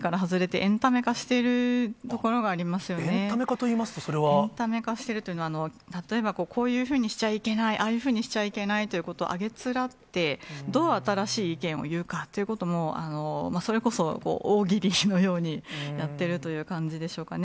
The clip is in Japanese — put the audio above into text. エンタメ化といいますと、エンタメ化してるというのは、例えばこう、こういうふうにしちゃいけない、ああいうふうにしちゃいけないということをあげつらって、どう新しい意見を言うかという、それこそ、大喜利のようにやっているという感じでしょうかね。